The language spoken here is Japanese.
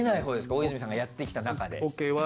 大泉さんがやってきたなかで。